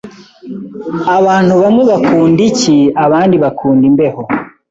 Abantu bamwe bakunda icyi, abandi bakunda imbeho.